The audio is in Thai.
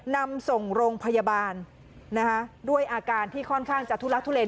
นำส่งโรงพยาบาลนะคะด้วยอาการที่ค่อนข้างจะทุลักทุเล